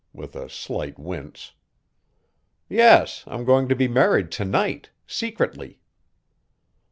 with a slight wince. "Yes, I'm going to be married to night secretly."